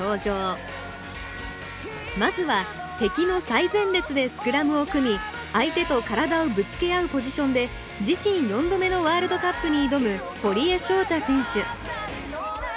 まずは敵の最前列でスクラムを組み相手と体をぶつけ合うポジションで自身４度目のワールドカップに挑む堀江翔太選手。